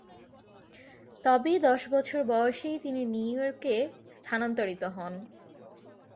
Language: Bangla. তবে দশ বছর বয়সেই তিনি নিউ ইয়র্কে স্থানান্তরিত হন।